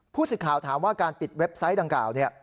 สิทธิ์ข่าวถามว่าการปิดเว็บไซต์ดังกล่าว